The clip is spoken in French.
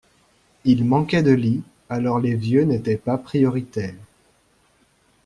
Ils manquaient de lits alors les vieux n'étaient pas prioritaies.